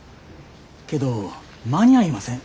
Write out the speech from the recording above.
けど間に合いません。